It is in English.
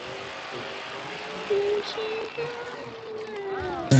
This version was adapted for radio by Jeremy Front and directed by Marion Nancarrow.